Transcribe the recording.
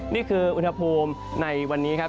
นี่คืออุณหภูมิในวันนี้ครับ